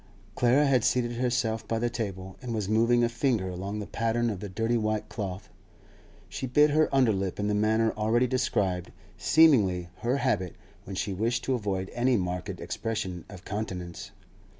Clara had seated herself by the table, and was moving a finger along the pattern of the dirty white cloth. She bit her under lip in the manner already described, seemingly her habit when she wished to avoid any marked expression of countenance.